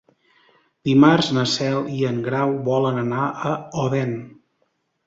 Dimarts na Cel i en Grau volen anar a Odèn.